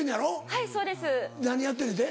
はいそうです。何やってんねんて？